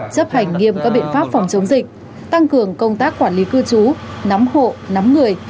chấp hành nghiêm các biện pháp phòng chống dịch tăng cường công tác quản lý cư trú nắm hộ nắm người